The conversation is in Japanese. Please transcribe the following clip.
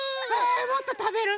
もっとたべる？